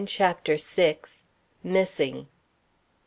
CHAPTER VI. MISSING.